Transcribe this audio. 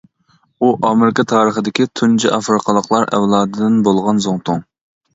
ئۇ ئامېرىكا تارىخىدىكى تۇنجى ئافرىقىلىقلار ئەۋلادىدىن بولغان زۇڭتۇڭ.